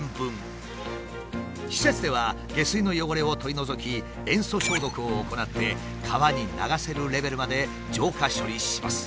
施設では下水の汚れを取り除き塩素消毒を行って川に流せるレベルまで浄化処理します。